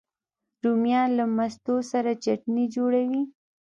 رومیان له مستو سره چټني جوړوي